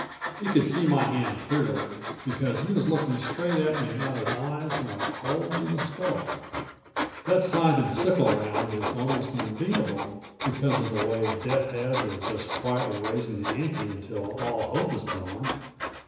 He could see my hand clearly, because he was looking straight at me out of eyes like holes in a skull. That scythe and sickle round is almost unbeatable because of the way Death has of just quietly raising the ante until all hope is gone.